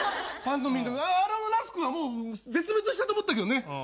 パンの耳のあのラスクはもう絶滅したと思ったけどね！